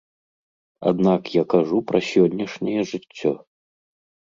Аднак я кажу пра сённяшняе жыццё.